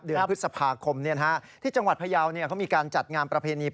เดือนพฤษภาคมที่จังหวัดพยาวเขามีการจัดงานประเพณี